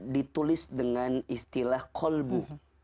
ditulis dengan istilah kolbu